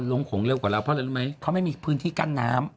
โขงเร็วกว่าเราเพราะอะไรรู้ไหมเขาไม่มีพื้นที่กั้นน้ำ